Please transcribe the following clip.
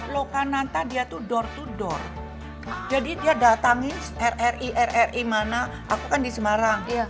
lo kananta dia tuh door to door jadi dia datangin rri rri mana aku kan di semarang